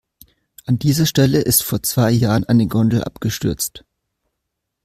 An dieser Stelle ist vor zwei Jahren eine Gondel abgestürzt.